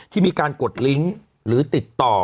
ที่มีการกดลิงค์หรือติดต่อ